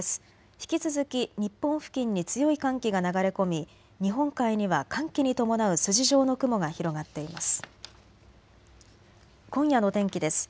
引き続き日本付近に強い寒気が流れ込み日本海には寒気に伴う筋状の雲が広がっています。